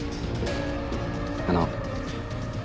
あの。